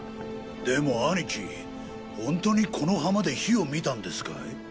でも兄貴ほんとにこの浜で火を見たんですかい？